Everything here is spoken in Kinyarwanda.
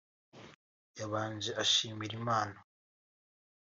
yabanje ashimira Imana